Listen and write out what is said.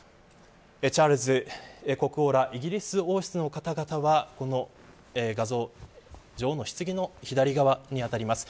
チャールズ国王らイギリス王室の方々はこの画像、女王のひつぎの左側に当たります。